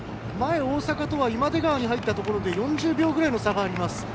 大阪とは今出川に入ったところで４０秒ぐらいの差があります。